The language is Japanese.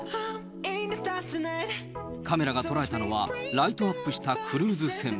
カメラが捉えたのは、ライトアップしたクルーズ船。